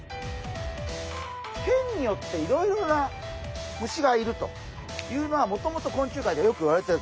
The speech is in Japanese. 県によっていろいろな虫がいるというのはもともと昆虫界ではよくいわれている。